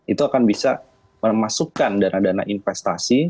itu akan bisa memasukkan dana dana investasi